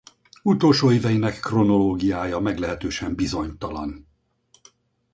Utolsó éveinek kronológiája meglehetősen bizonytalan.